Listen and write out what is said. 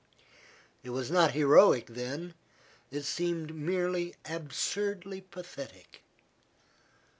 It was not heroic then, it seemed merely absurdly pathetic.